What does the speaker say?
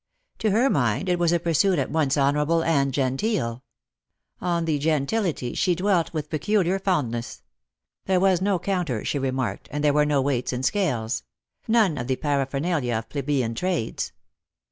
To her mind it was a pursuit at once honourable and genteel. On the gen tility she dwelt with peculiar fondness. There was no counter, she remarked, and there were no weights and scales ; none of the paraphernalia of plebeian trades.